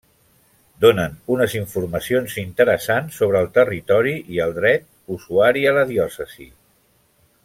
Donen unes informacions interessants sobre el territori i el dret usuari a la diòcesi.